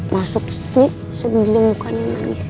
masuk sini sebelum mukanya nangis